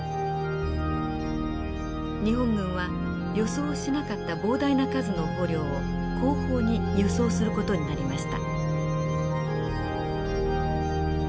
日本軍は予想をしなかった膨大な数の捕虜を後方に輸送する事になりました。